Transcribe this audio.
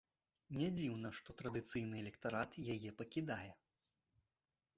Нядзіўна, што традыцыйны электарат яе пакідае.